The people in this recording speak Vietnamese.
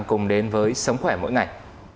cùng đến với sống khỏe mỗi ngày